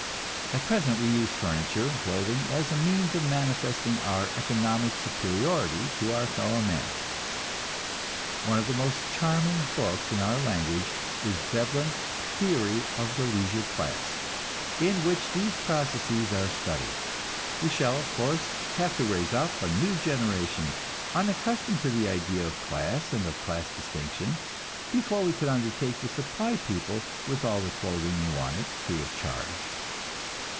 At present we use furniture and clothing as a means of manifesting our economic superiority to our fellowmen. One of the most charming books in our language is Veblen's "Theory of the Leisure Class," in which these processes are studied. We shall, of course, have to raise up a new generation, unaccustomed to the idea of class and of class distinction, before we could undertake to supply people with all the clothing they wanted free of charge.